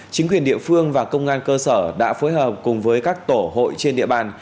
chính quyền địa phương và công an cơ sở đã phối hợp cùng với các tổ hội trên địa bàn